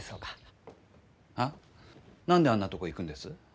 あ？何であんなとこ行くんです？